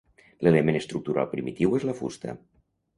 L'element estructural primitiu és la fusta.